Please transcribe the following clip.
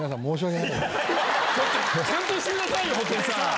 ちゃんとしてくださいよ布袋さん！